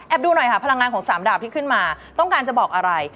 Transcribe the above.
ดูหน่อยค่ะพลังงานของ๓ดาบที่ขึ้นมาต้องการจะบอกอะไร